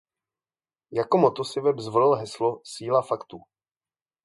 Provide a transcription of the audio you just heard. Jako motto si web zvolil heslo "Síla faktu".